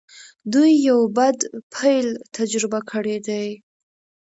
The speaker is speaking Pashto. دوی يو بد پيل تجربه کړی دی.